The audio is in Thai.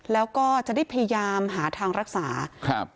แล้วก็จะได้พยายามหาทางรักษาครับ